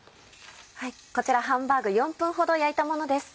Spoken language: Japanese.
こちらハンバーグ４分ほど焼いたものです。